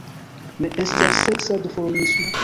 Ne estas seksa duformismo.